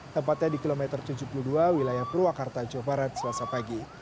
tempatnya di kilometer tujuh puluh dua wilayah purwakarta jawa barat selasa pagi